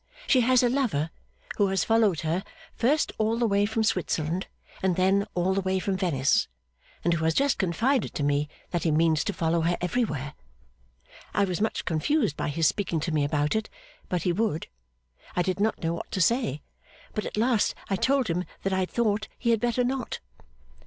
She has a lover, who has followed her, first all the way from Switzerland, and then all the way from Venice, and who has just confided to me that he means to follow her everywhere. I was much confused by his speaking to me about it, but he would. I did not know what to say, but at last I told him that I thought he had better not.